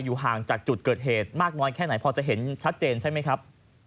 ห่างจากจุดเกิดเหตุมากน้อยแค่ไหนพอจะเห็นชัดเจนใช่ไหมครับ